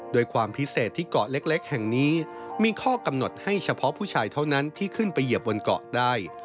โดยความพิเศษที่เกาะเล็กแห่งนี้มีข้อกำหนดให้เฉพาะผู้ชายเท่านั้นที่ขึ้นไปเหยียบบนเกาะได้